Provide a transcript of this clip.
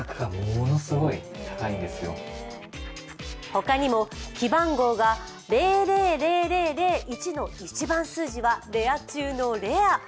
他にも記番号が０００００１の１番数字はレア中のレア。